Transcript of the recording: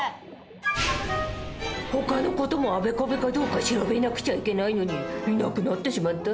ほかの事もあべこべかどうか調べなくちゃいけないのにいなくなってしまった。